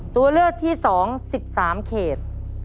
ตัวเลือกที่๒๑๓เขต